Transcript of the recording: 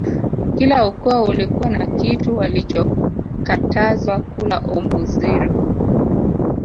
kila ukoo ulikuwa na kitu walichokatazwa kula Omuziro